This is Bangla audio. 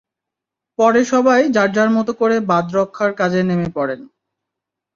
পরে সবাই যাঁর যাঁর মতো করে বাঁধ রক্ষার কাজে নেমে পড়েন।